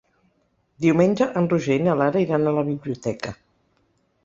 Diumenge en Roger i na Lara iran a la biblioteca.